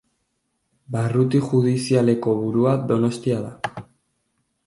Barruti judizialeko burua Donostia da.